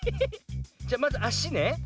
じゃまずあしね。